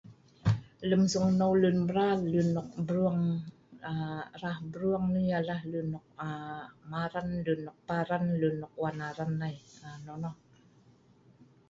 Lem sungneu lun mral, lun nok burung, rah brung, yah nah lun nok Paran, nok Maran lun nok wan Aran ai nonoh